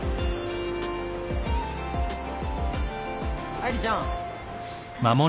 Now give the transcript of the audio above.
・愛梨ちゃん。